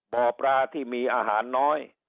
บ่อปลาที่มีอาหารน้อย